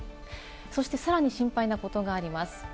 そして、さらに心配なことがあります。